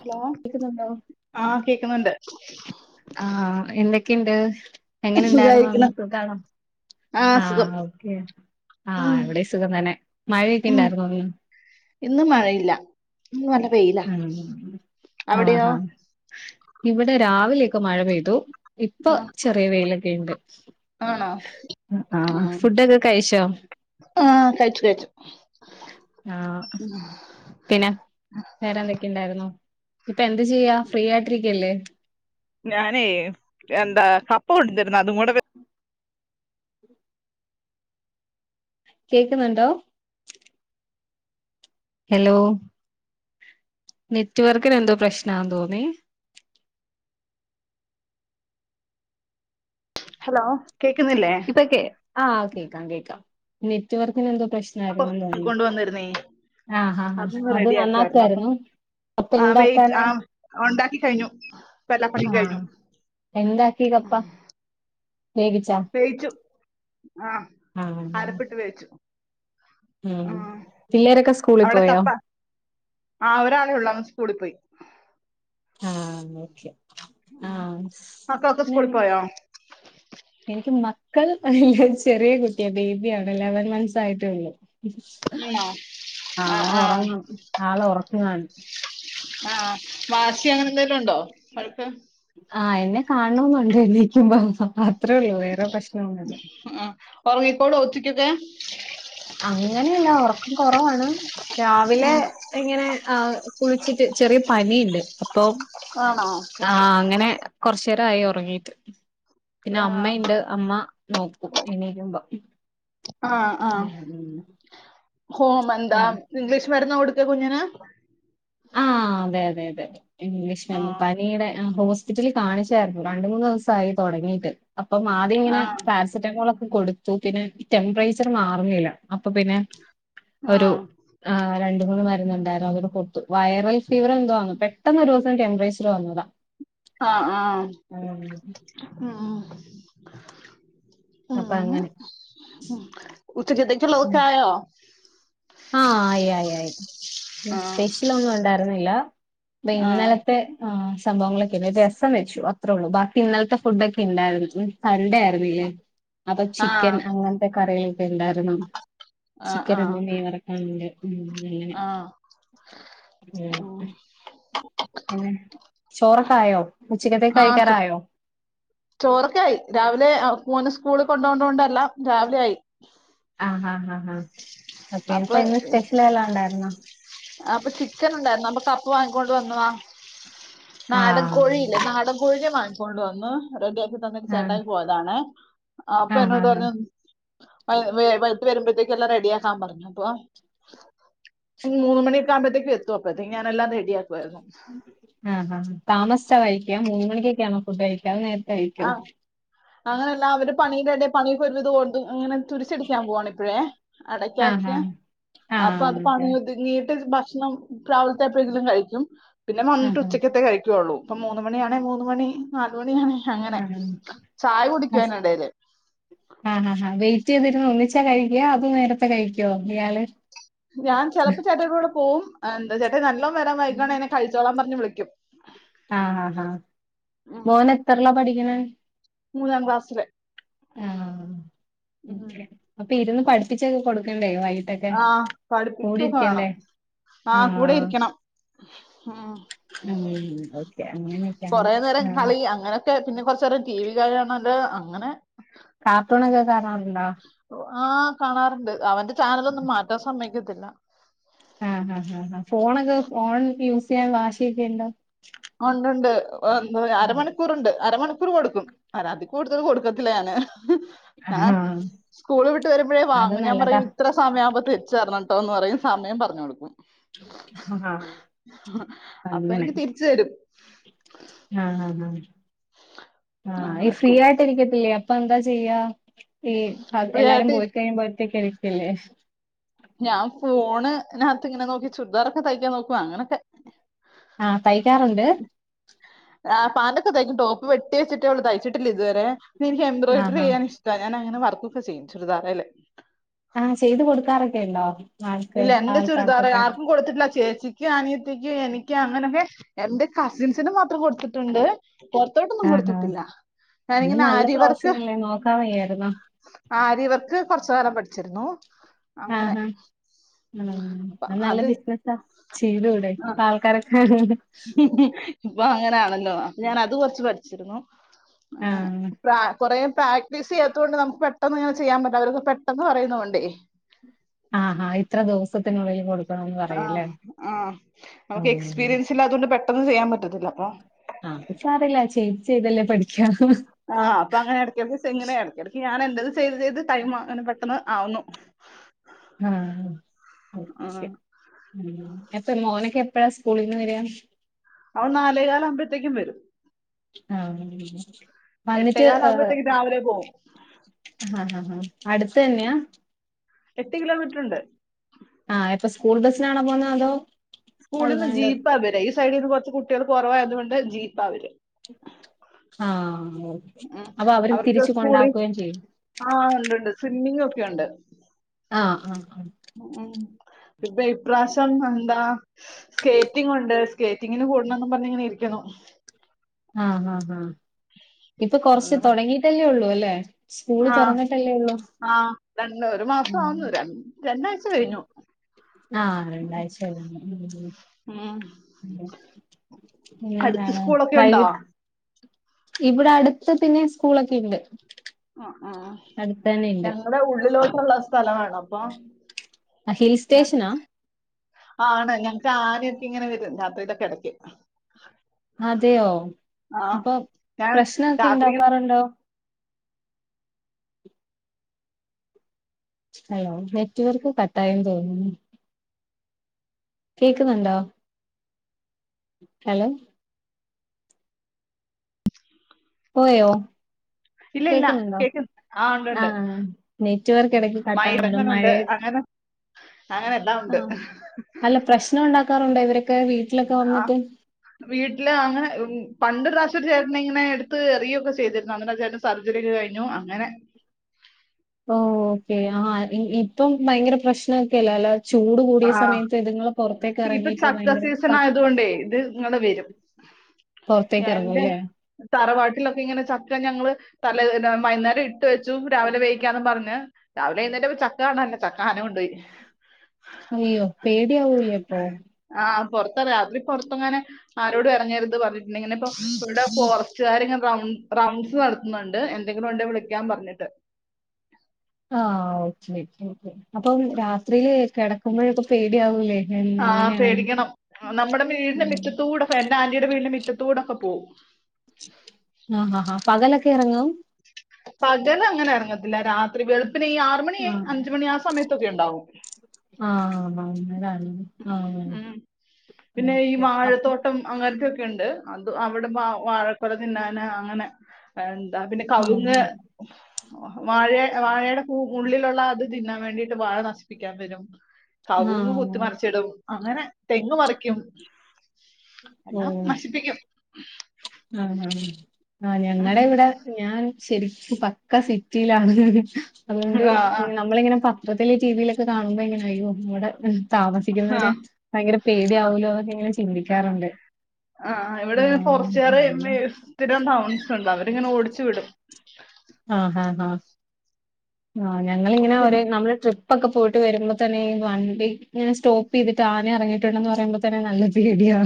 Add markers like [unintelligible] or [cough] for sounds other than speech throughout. Hello കേക്കുന്നുണ്ടോ ആ കേക്കുന്നുണ്ട് ആഹ് എന്തൊക്കെയുണ്ട് എങ്ങന സുഖായിരിക്കണ് ഇണ്ടായിരുന്നു സുഖാണോ ആഹ് ഓക്കെ ആഹ് ഉം ഇവിടെ സുഖം തന്നെ മഴയൊക്കെ ഇണ്ടാരുന്നോ ഇന്ന് ഇന്നും മഴയില്ല ഇന്നും നല്ല വെയ്ല്ല ഉം അവിടെയോ ആഹാ ഇവിടെ രാവിലെ ഒക്കെ മഴ പെയ്തു ഇപ്പൊ ആഹ് ചെറിയ വെയിലൊക്കെ ഇണ്ട് ആണോ ആഹ് ഉം ഫുഡൊക്കെ കഴിച്ചോ ആഹ് കഴിച്ചു കഴിച്ചു ആഹ് പിന്നെ വേറെ എന്തൊക്കെയുണ്ടായിരുന്നു ഇപ്പൊ എന്ത് ചെയ്യാ ഫ്രീ ആയിട്ടിരിക്കല്ലേ ഞാനേ എന്താ കപ്പ കൊടുതിരുന്നു അതും കൂടെ വെ കേക്കുന്നുണ്ടോ ഹലോ നെറ്റ് വർക്കിന് എന്തോ പ്രശ്ന തോന്നി ഹലോ കേക്കുന്നില്ലേ ഇപ്പൊ കേ ആഹ് കേക്കാം കേക്കാം നെറ്റ്വർക്കിന് എന്തോ പ്രശ് നതുങ്ങും തോന്നി കൊണ്ടുവന്നിരുന്നേ ആഹ് ഹ ഹ അത് നന്നാക്കാരുന്നു ആ വെയ്റ്റ് ആ ഒണ്ടാക്കി കഴിഞ്ഞു എല്ലാ പണിയും കഴിഞ്ഞു ആഹ് എന്താക്കീത പ്പം വേവി വേവിച്ചു ആഹ് ആഹ് അരപ്പിട്ട് വേവിച്ചു ഉം ആഹ് പിള്ളേരൊക്കെ സ്കൂളിൽ അവിടെ പോയോ കപ്പ ആഹ് ഒരാളെ ഒള്ള് അവൻ സ്കൂളി പോയി ആഹ് അങ്ങ ഒക്ക്യ ആഹ് മക്ക ഒക്കെ സ്കൂളിൽ പോയോ എനിക്ക് മക്കൾ ഇല്ല ചെറിയ കുട്ടിയ ബേബിയാണ് ഇലവൻ മന്ത്സ് ആയിട്ടെള്ളു ആണോ അവൻ ആഹ് ആഹ് ഒറങ്ങു ആള് ഒറങ്ങുആണ് ആഹ് വാശി അങ്ങനെ എന്തെലും ഒണ്ടോ അൾക്ക് ആഹ് എന്നെ കാണണം എന്നുണ്ട് എണീക്കുമ്പം അത്രെ ഒള്ളൂ വേറെ പ്രശ്നം ഒന്നുല്ല ആഹ് ഒറങ്ങിക്കോള്വൊ ഉച്ചയ്ക്കൊക്കെ അങ്ങനെയല്ല ഒറക്കം കൊറവാണ് രാവിലെ ഉം ഇങ്ങനെ ആ കുളിച്ചിട്ട് ചെറിയ പനിയുണ്ട് അപ്പോം ആണോ ആഹ് അങ്ങനെ കൊറച്ചേരായി ഒറങ്ങീട്ട് പിന്നെ ആഹ് അമ്മയ്ണ്ട് അമ്മ നോക്കും എണിര്മ്പം ആഹ് ആഹ് ഹോം എന്താ ഉം ഇംഗ്ലീഷ് മരുുന്നാ കൊടുത്തെ കുഞ്ഞിന് ആഹ് അതെ അതെ അതെ ഇംഗ്ലീഷ് മര്ന്ന് ആഹ് പനിയുടെ ഹോസ്പിറ്റലിൽ കാണിച്ചാരുന്നു രണ്ട് മൂന്ന് ദിവസായി തൊടങ്ങിയിട്ട് അപ്പം ആദ്യം ഇങ്ങനെ ആഹ് പാര സെറ്റമോൾ ഒക്കെ കൊടുത്തു പിന്നെ ഈ ടെമ്പറേച്ചർ മാറുന്നില്ല അപ്പൊ പിന്നെ ഒരു ആഹ് ആ രണ്ട് മൂന്ന് മരുന്നുണ്ടായിരുന്നു അതൂടെ കൊടു ത്തു വൈറൽ ഫീവർ എന്തോആന്ന് പെട്ടെന്ന് ഒരുസം ടെമ്പറേച്ചർ വന്നതാ ആഹ് ആഹ് ആഹ് ഉം അപ്പ അങ്ങനെ ഉച്ചക്കത്തെക്കുള്ളതൊക്കെ ആയോ ആഹ് ആയി ആയി ആയി പിന്നെ ആഹ് സ്പെഷ്യൽ ഒന്നും ഉണ്ടായിരുന്നില്ല ദേ ആഹ് ഇന്നലത്തെ ആ സംഭവങ്ങളൊക്കെല്ല രസം വെച്ചു അത്രേ ഒള്ളൂ ബാക്കി ഇന്നലത്തെ ഫുഡൊക്കെ ഉണ്ടാരുന്നു സൺ‌ഡേ ആ [unintelligible] അപ്പൊ ചിക്കൻ ആഹ് അങ്ങനത്തെ കറികളൊക്കെ ഉണ്ടാരുന്നു ആഹ് ആഹ് ചിക്കനുണ്ട് മീൻ വറക്കാനുണ്ട് ഉം അങ്ങനെ ആഹ് ഉം അങ്ങനെ ചോറൊക്ക ആയോ ഉച്ചക്കത്തേക്ക് ആഹ് ചോ കഴിക്കാറായോ ചോറൊക്കെ ആയി രാവിലെ ആ മോന് സ്കൂളി കൊണ്ടോണ്ടോണ്ട് എല്ലാം രാവിലെ ആയി ആഹ് ആഹ് ആഹ് ഹാ ഓക്കെ ഇപ്പൊ ഇന്ന് അപ്പൊ സ്പെഷ്യൽ എല്ലാം ഉണ്ടാരുന്നോ അപ്പൊ ചിക്കൻ ഉണ്ടായിരുന്നു അപ്പ പപ്പ വാങ്ങിക്കൊണ്ട് വന്നതാ നാടൻ ആഹ് കോഴിയില്ലേ നാടൻ കോഴിനെ വങ്ങിക്കൊണ്ട് വന്ന് റെഡിയാക്കി തന്നിട്ട് ആഹ് ചേട്ടായി പോയതാണെ അപ്പൊ ആഹ് ഹാ എന്നോട് ഹാ പറഞ്ഞു വ് വെളുത്ത് വരുമ്പോഴത്തേക്ക്‌ എല്ലാം റെഡിയാക്കാൻ പറഞ്ഞു അപ്പൊ മൂന്ന് മണിയൊക്ക ആകുമ്പോത്തേക്കും എത്തും അപ്പഴത്തേക്ക്‌ ഞാനെല്ലാം റെഡിയാക്കുവാരുന്നു ആഹ് ആഹ് ഹ താമസിച്ച കഴിക്ക മൂന്ന് മണിക്കൊക്കെ ആന്നോ ഫുഡ് കഴിക്കാ അതൊ നേര ആഹ് അങ്ങനല്ലാ അവര് പണിയുടെ എടെ പണിയൊക്കെ ഒരുവിധം ഒതു ഇങ്ങനെ തുരിശടിക്കാൻ പോവാണിപ്പഴേ ആഹ് ഹാ അടയ്ക്യാക്കെ അപ്പൊ ആഹ് അത് പണി ഓക്കെ ഒതുങ്ങീട്ട് ഭക്ഷണം രാവിൽത്തെപ്പഴെങ്കിലും കഴിക്കും പിന്നെ ആഹ് ഹാ വന്നിട്ടുച്ചയ്ക്കത്തെ കഴിക്കുവുള്ളൂ ഇപ്പ മൂന്ന് മണിയാണേ മൂന്ന് മണി നാല് മണിയാണേ അങ്ങനെ ആഹ് ചായ കുടിക്കും ഹസ് അയ്നെടേല് ആഹ് ആഹ് ആഹ് വെയിറ്റെയ്തിരുന്നു ഒന്നിച്ചാ കഴിക്കാ അതോ നേരത്തെ കഴിക്കോ ഇയാള് ഞാൻ ചെലപ്പോ ചേട്ടായ്ടെ കൂടെ പോവും എന്താ ചേട്ടായി നല്ലോം വരാൻ വൈകാണെ ഞാൻ കഴ് ച്ചോളാൻ പറഞ്ഞു വിളിക്കും ആഹ് ആഹ് ആഹ് ഉം. മോനെത്രയിലാ പഠിക്ക്‌ണെ മൂന്നാം ക്ലാസ്സില് ആഹ് ഉം. അപ്പ ഇരുന്ന് പഠിപ്പിച്ചൊക്കെ കൊടുക്കണ്ടേ വൈ ആഹ് പഠിപ്പിച്ചൊക്കെ വേണം ആഹ് കൂടെ ഇരിക്കണം ഉം. ഉം ഓക്കെ അങ്ങനൊക്കെയാണ് ആഹ് അങ്ങനെയൊക്കെ പിന്നെ കൊർച്ചേരം ടി വി കാണല് അങ്ങനെ കാർട്ടൂണൊക്കെ കാണാറുണ്ടോ ആഹ് കാണാറുണ്ട് അവന്റെ ചാനലൊന്നും മാറ്റാൻ സമ്മയ്ക്കത്തില്ല ആഹ് ആഹ് ആഹ് ആഹ് ഫോണൊക്കെ ഫോൺ യൂസ്ചെയ്യാൻ വാശിയൊക്കെ ഉണ്ടോ ഒണ്ടൊണ്ട് അരമണി ക്കൂറുണ്ട് അരമണിക്കൂറ് കൊടുക്കും അനാത്തി കൂടുതൽ കൊടുക്കത്തില്ല ഞാന് ആഹ് സ്കൂള് വിട്ട് വരുമ്പഴേ അത് വാങ്ങും ഞാൻ നല്ലതാ പറയും ഇത്ര സമയാവുമ്പോ തിരിച്ചെറണട്ടോന്ന് പറയും സമയം പറഞ്ഞു കൊടുക്കും ആഹ് അങ്ങനെ അപ്പൊനിക്ക് തിരിച്ചു തരും ആഹ് ആഹ് ആഹ് ആഹ് ഈ അങ്ങനെ ഫ്രീ സ്കൂൾ ആയിട്ടിരിക്കത്തില്ലേ പ്പന്താ ചെയ്യാ ഈ ഫ്രീ എല്ലാരും ആയിട്ട് പോയി കഴിയുമ്പോ ഒറ്റക്കിരിക്കില്ലേ ഞാൻ ഫോണ് നകത്ത് ഇങ്ങനെ നോക്കി ചുര്ദാറൊക്കെ തയ്ക്കാൻ നോക്കും അങ്ങനൊക്കെ ആഹ് തൈക്കാറുണ്ട് ആഹ് പാന്റൊക്കെ തയ്ക്കും ടോപ്പ് വെട്ടി വെച്ച്ട്ടേയൊള്ളു തയ്ച്ചിട്ടില്ലിതുവരേ എനിക്ക് ആഹ് ആഹ് എംബ്രോയിഡറിയ്യാൻ ഇഷ് ഇഷ്ട ഞാനങ്ങനെ വർക്കൊക്കെ ചെയ്യും ചുരിദാറേല് ആഹ് ചെയ്ത് കൊടുക്കാറൊക്കെയുണ്ടോ ഇല്ല എന്റെ ചുരിദാറ് ആർക്കും കൊടുത്തിട്ടില്ല ചേച്ചി ക്ക്‌ അനിയത്തിക്ക്‌ എനിക്ക് അങ്ങനൊക്കെ എന്റെ കസിൻസിന് മാത്രം കൊടുത്തിട്ടുണ്ട് പൊർത്തോട്ടൊന്നും ആഹ് ആഹ് കൊടുത്തിട്ടില്ല ഇത് ഞാനിങ്ങനെ നല്ല ആരിവർക്ക് പ്രൊഫഷൻ അല്ലേ നോക്കാൻ വയ്യായിരുന്നോ ആരി വർക്ക് കൊർച്ച് കാലം പഠിച്ചിരുന്നു ആഹ് അങ്ങനെ ഹാ ഉം അത് നല്ല ബിസിനസാ ചെയ്തൂടെ ഇപ്പാൾക്കാരൊക്കെ ഇപ്പൊ അങ്ങനാണല്ലോ അപ്പൊ ഞാൻ അത് കൊർച്ച് പഠിച്ചിരുന്നു ആഹ് കുറേ പ്രാക്ടീസ് ചെയ്യാത്തതുകൊണ്ട് നമുക്ക് പെട്ടെന്ന് ഇങ്ങനെ ചെയ്യാൻ പറ്റില്ല അവരൊക്കെ പെട്ടെന്ന് പറയുന്ന കൊണ്ടേ ആഹ് ഹാ ഇത്ര ദിവസത്തിനുള്ളിൽ കൊടു ആഹ് ആഹ് നമുക്ക് ഉം എക്സ്പീരിയൻസില്ലാത്തതു കൊണ്ട് പെട്ടെന്ന് ചെയ്യാൻ പറ്റത്തില്ല അപ്പൊ അത് സാരല്ല ചെയ്ത് ചെയ്തല്ലേ പഠിക്ക ആഹ് അപ്പങ്ങനെ ഇടയ്ക്കെടെക്ക് ങ്ങനെ എടക്കെടക്ക്‌ ഞാൻ എന്റെത് ചെയ്ത് ചെയ്ത് ടൈമ് ങ്ങനെ പെട്ടെന്ന് ആവുന്നു [inaudible] ആഹ് [unintelligible] ആഹ് ഉം [unintelligible] മോനൊക്കെ എപ്പഴാ സ്കൂളീന്ന് വര അവൻ നാലേകാലാവുമ്പഴ്ത്തേക്കും വരും ആഹ് വന്നിട്ട് എട്ടേകാല് ഏഹ് ആവുമ്പഴത്തേക്കും രാവിലെ പോവും അടുത്ത് തന്നെയാ എട്ട് കിലോമീറ്ററ്ണ്ട് ആഹ് ഇപ്പൊ സ്കൂൾ ബസ്സിനാണോ പോന്ന അതോ സ്കൂളിൽ നിന്ന് അല്ലാണ്ട് ജീപ്പ വര ഈ സൈഡിൽ നിന്ന് കുറച്ച് കുട്ടികൾ കുറവായതുകൊണ്ട് ജീപ്പാ വരും ആഹ ഉം അപ്പൊ അവര് തിരിച്ച കൊണ്ടാക്കുകയും ചെയ്യും ആഹ ഉണ്ട്ണ്ട് സ്വിമ്മിങ്ങ ഒക്കെ ഉണ്ട് ആഹ് ആഹ ആഹ ഉം ഇപ്രാവശ്യം എന്താ സ്കേറ്റിങ്ങ ഉണ്ട് സ്കേറ്റിങ്ങിന് കൂടുന്നന്ന് പറഞ്ഞങ്ങനെ ഇരിക്കുന്നു ആഹ് ആഹ് ഹാ ഇപ്പൊ കൊറച്ച് തുടങ്ങിട്ടല്ലേ ഉള്ളൂ അല്ലേ സ്കൂള് ആഹ് തൊറന്നിട്ടല്ലേ ഒള്ളൂ ആഹ് രണ്ട് ഒരു മാസ ഉം ആവുന്നു ര രണ്ടാഴ്ച കഴിഞ്ഞു ആഹ രണ്ടാഴ്ച കഴിഞ്ഞു ഉം ഉം. ഉം അടുത്ത് പിന്നെന്താണ് സ്കൂളൊക്കെ ഉണ്ടോ വൈകിട്ട് ഇവിടെ അടുത്ത് പിന്നെ സ്കൂളൊക്കെ ഉണ്ട് ആഹ് ആഹ് ഞങ്ങളടെ ഉള്ളിലോക്കള്ള സ്ഥലമാണ അപ്പൊ ഹിൽ സ്റ്റേഷനാ ഞങ്ങ- ആണ് ഞങ്ങക്ക് ആന യൊക്കെ ഇങ്ങനെ വരും രാത്രിയിലൊക്കെ ഇടക്ക് അതെയോ അപ്പൊ ഞാൻ പ്രശ്നൊക്കെ രാത്രി ഇണ്ടാക്കാറുണ്ടോ ഹലോ നെറ്റ് വർക്ക് കട്ടായന്ന് തോന്നുന്നു കേൾക്കുന്നുണ്ടോ ഹലോ പോയോ ഉ ഇല്ല ഇല്ല കേക്കുന്നുണ്ടോ കേക്കുന്നു ആഹ ഉണ്ട്ണ്ട് ആഹ് നെറ്റ്‌വർക്ക് ഇടയ്ക്ക് കട്ടാവുന്നുണ്ട് [unintelligible] മഴയ അങ്ങനെ അങ്ങനെല്ലാം ഉണ്ട് ആഹ് അല്ല പ്രശ്നം ഉണ്ടാക്കാറുണ്ട് ഇവരൊക്കെ വീട്ടിലൊക്കെ വന്നിട്ട് വീട്ടില് അങ്ങനെ പണ്ടൊരു പ്രാവശ്യം ഒരു ചേട്ടനെ ഇങ്ങനെ എടുത്ത് എറിയൊക്കെ ചെയ്തിരുന്നു അങ്ങനേതാലും സർജറി ഒക്കെ കഴിഞ്ഞു അങ്ങനെ ഓ ഓക്കേ ആഹ ഇപ്പം ഭയങ്കര പ്രശ്നൊക്കെല്ല അല്ല ചൂട് കൂടിയ സമയത്ത് ഇതുങ്ങും ഇപ്പ ചക്ക സീസൺ ആയത കൊണ്ടേ ഇത് ങ്ങനെ വരും പുറത്തേക്ക് എന്റെ ഇറങ്ങൂല്ലേ തറവാട്ടിലൊക്കെ ഇങ്ങനെ ചക്ക ഞങ്ങൾ തല വൈന്നേരം ഇട്ട് വെച്ചു രാവിലെ വേവിക്കാന്ന് പറഞ്ഞ് രാവിലെ എഴുന്നേറ്റപ്പോ ചക്ക കാണല്ലേ ചക്ക ആന കൊണ്ട് പോയി അയ്യോ പേടിയാവൂലപ്പൊ ആഹ് പൊറത്തറങ്ങാൻ രാത്രി പൊറത്തറങ്ങനെ ആരോട് ഇറങ്ങരുത് പറഞ്ഞിട്ടുണ്ട് ഇങ്ങനെപ്പ ഇടെ ഫോറസ്റ്റുകർ ഇങ്ങനെ റണ്ട്സ് ണ്ട് എന്തെങ്കിലും ഉണ്ടേ വിളിക്കാൻ പറഞ്ഞിട്ട് ആഹ് ഓക്കെ ഓക്കെ അപ്പം രാത്രിയില് കിടക്കുമ്പോഴൊക്കെ പേടിയാവൂല്ലേ ആഹ് പേടിക്കണം നമ്മുടെ വീടിന്റെ ഉം മുറ്റത്തൂടൊക്കെ എന്റെ ആന്റിയടെ വീടിന് മുറ്റത്തൂടൊക്കെ പോവും ആഹ് ആഹാ പകലൊക്കെ ഇറങ്ങും പകലങ്ങനെ ഇറങ്ങത്തില്ല രാത്രി വെളുപ്പിൻ ഈ ആറ മണി ആഹ് അഞ്ച മണി ആ സമയത്തൊക്കെ ഉണ്ടാവും ആഹ [unintelligible] ആഹ് അങ്ങനത്തെക്കെണ്ട് അത് അവിടെ വ വാഴക്കൊല തിന്നാന അങ്ങനെ എന്താ പിന്നെ കവിങ്ങ് ആഹ് വാഴ വാഴയുടെ ഉള്ളിലുള്ള അത് തിന്നാൻ വേണ്ടിയിട്ട് വാഴ നശിപ്പിക്കാൻ വരും കവുങ്ങ് ആഹ് [unintelligible] അങ്ങനെ തെങ് മറിക്കും എല്ലാം നശിപ്പിക്കും ആന്ന് ആന്നു ആഹ് ഞങ്ങടെ ഇവടെ ഞാൻ ശരിക്കും പക്കാ സിറ്റിയിലാണ് അതുകൊണ്ട് ആ നമ്മളിങ്ങനെ സം മൊത്തത്തില് ടി വിയിലൊക്കെ കാണുമ്പോ ഇങ്ങനെ അയ്യോ ഇവടെ ആ ആ താമസിക്കുന്നവര് ഭയങ്കര പേടി ആ ആവോലോ എന്നൊക്കെ ഇങ്ങനെ ചിന്തിക്കാറുണ്ട് ആഹ് ഇവിടെ പൊറച്ചേരം പിന്നെ ടൗൺസ് ഉണ്ട് അവരിങ്ങനെ ഓടിച്ചു വിടും ആഹ് ആഹ് ഹാ ആഹ് ഞങ്ങിങ്ങനെ ഒരേ പിന്നെ നമ്മള് ട്രിപ്പ് പ്പൊക്കെ പോയിട്ട് വരുമ്പോ തന്നെ ഈ വണ്ടി ഇങ്ങനെ സ്റ്റോപ്പ് ചെയ്തിട്ട് ആന ഇറങ്ങയിട്ടുണ്ടന്ന് പറയുമ്പോ തന്നെ നല്ല പേടിയാ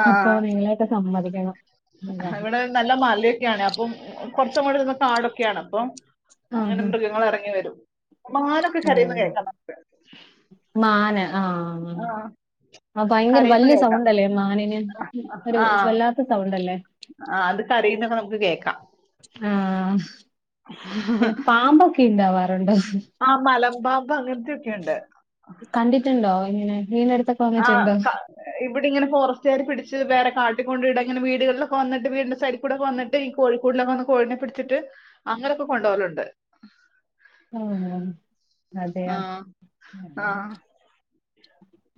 ആ അപ്പൊ നിങ്ങളെ ഒക്കെ സമ്മതിക്കണം [unintelligible] ഇവിടെ നല്ല മലയൊക്കാണ് അപ്പ കൊറച്ച് അങ്ങോട്ട് നിന്നാ പാടൊക്കെയാണ് അപ്പോ അങ്ങനെ ആഹ് [unintelligible] ഇങ്ങനെ എറങ്ങി വരും മാനൊക്കെ കരയുന്ന് കേൾക്കാം നമുക്ക് മാന് ആഹ് ആ ആഹ് ഭയങ്കര കരയുന്ന വല്യ കേൾക്കാം സൗണ്ട് അല്ലേ മാനിന് ഒരു വല്ലാ ത്ത സൗണ്ട് അല്ലേ ആഹ് അത് കരയുന്നത് നമുക്ക് കേക്കാം ആഹ് തിന്നാവാറുണ്ടോ ആഹ് മലമ്പാമ്പ് അങ്ങനത്തെക്കെയുണ്ട് കണ്ടിട്ടുണ്ടോ ഇങ്ങനെ വീനടുത്ത ആഹ് ക ഇവിടെ ഇങ്ങനെ ഫോറസ്റ്റുകാര് പിടിച്ച് വേറെ കാട്ടിൽ കൊണ്ട് ഇട ഇങ്ങനെ വീടുകളിലക്കെ വന്നിട്ട് വീടിന്റെ സൈഡ് കൂടെ ഒക്കെ വന്നിട്ട് ട്ട് ഈ കോഴിക്കൂടിലൊക്കെ വന്ന് കോഴിനെ പിടിച്ചിട്ട് അങ്ങനൊക്കെ കൊണ്ടോവലുണ്ട് ആഹ് അതെയോ ആഹ് ആ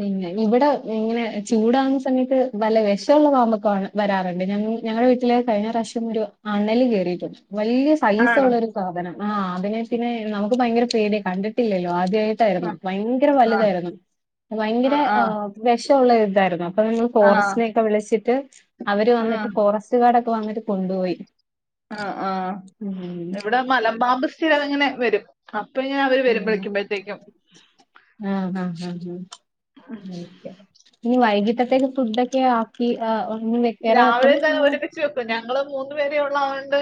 പിന്നെ ഇവിടെ ഇങ്ങനെ ചൂടാകുന്ന സമയത്ത് വല്ല വിഷോള്ള പാമ്പൊക്കെ വരാറുണ്ട് ഞങ്ങ ഞങ്ങളുടെ വീട്ടില് കഴിഞ്ഞ പ്രാവശ്യം ഒരു അണലി കേറിയിട്ടുണ്ട് വലിയ സൈസസ് ആണോ ഉള്ളരു സാധനം ആ അതിനെ പിന്നെ നമുക്ക് ഭയങ്കര പേടിയ കണ്ടിട്ടില്ലല്ലോ ആദ്യായി ട്ടായിരുന്നു ആ ഭയങ്കര ആ വലുതായിരുന്നു ആ ഭയങ്കര ആ ഏഹ് വിഷോള്ള ഇതായിരുന്നു അപ്പൊ നമ്മൾ ആ ഫോറസ്റ്റിനൊക്കെ വിളിച്ചിട്ട് അവര് ആ വന്നിട്ട് ഫോറസ്റ്റ് ഗാർഡ് ഒക്കെ വന്നിട്ട് കൊണ്ട് പോയി ആഹ് ആഹ് ഇവിടെ മലമ്പാമ്പ് സ്ഥിരം ഇങ്ങനെ വരും അപ്പൊ ഞാൻ അവര് വരും വിളിക്കുമ്പഴത്തേക്കും ആഹ് ആഹ് ആഹ് ഓക്കേ ഇനി വൈകിട്ടത്തേക്ക്‌ ഫുഡ് ഒക്കെയോ [unintelligible] ച്ച് വെക്കും ഞങ്ങള് മൂന്നു പേരെ ഉള്ളതുകൊണ്ട്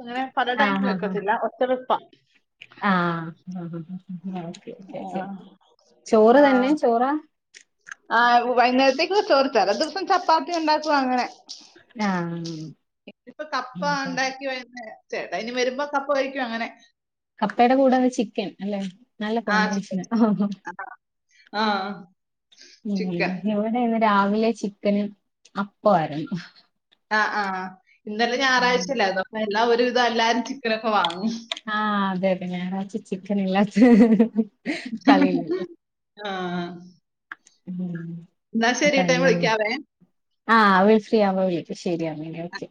ഇങ്ങനെ പല ആ ടൈം ആ ആ വെക്കത്തില്ല ഒറ്റ വെപ്പാ ആഹ് ഹാ ഹാഹ് ഓക്കെ ഓക്കെ ആ, ചോറ് തന്നെ ചോറാ ആഹ് വൈന്നേരത്തേക്ക് ചോറ് ചെല ദിവസം ചപ്പാത്തി ഉണ്ടാക്കും അങ്ങനെ ആഹ് ഇതിപ്പോ കപ്പ ഉണ്ടാക്കി വരുന്നേ ചേട്ടായി ഇനി വരുമ്പോ കപ്പ വേവിക്കും അങ്ങനെ കപ്പയുടെ കൂടെ എന്താ ചിക്കൻ അല്ലേ നല്ല ആ ചിക്കൻ കോമ്പിനേഷനാ [unintelligible] ആ ഇന്ന് ചിക്കൻ ഇവിടെ രാവിലെ ചിക്കനും അപ്പവായിരുന്നു ആഹ് ആഹ് ആഹ് ഇന്നലെ ഉം. ഞായറാഴ്ച അല്ലായിരുന്നോ അപ്പോ എല്ലാം ഒരു വിധം എല്ലാരും ചിക്കനൊക്കെ വാങ്ങും ആഹ് അതെ അതെ ഞായറാച്ച ചിക്കൻ ഇല്ലാത്ത കളിയില്ലല്ലോ [unintelligible] ആഹ് എന്താ ഞാൻ ഇങ്ങനെ? വിളിക്കാവേ ആഹ് അവൾ ഫ്രീ ആവുമ്പോ വിളിക്ക് ശരിയാമി എന്നാ ഓക്കെ